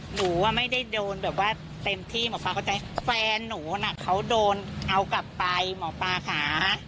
หนูว่าไม่ได้โดนแบบว่าเต็มที่หมอปลาเข้าใจแฟนหนูน่ะเขาโดนเอากลับไปหมอปลาค่ะ